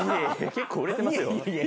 結構売れてますよ。